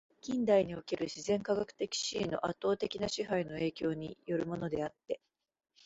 近代における自然科学的思惟の圧倒的な支配の影響に依るものであって、